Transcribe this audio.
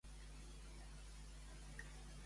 Quin lloc era proper a Plutos?